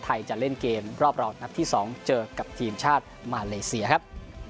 จะเล่นเกมรอบรองนัดที่๒เจอกับทีมชาติมาเลเซียครับ